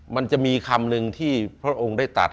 มันจะมีคำหนึ่งที่พระองค์ได้ตัด